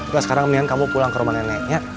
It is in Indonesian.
gak sekarang mendingan kamu pulang ke rumah neneknya